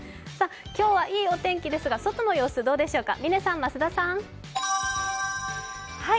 今日はいいお天気ですが、外の様子どうでしょうか？